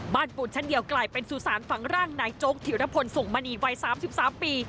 ปูนชั้นเดียวกลายเป็นสุสานฝังร่างนายโจ๊กธิรพลส่งมณีวัย๓๓ปี